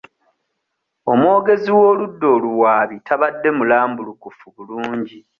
Omwogezi w'oludda oluwaabi tabadde mulambulukufu bulungi.